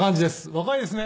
若いですね。